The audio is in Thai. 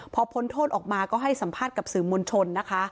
พอพ้นโทษออกมาก็ให้สัมภาษณ์กับสื่อมวลชนนะคะ